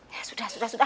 ya sudah sudah sudah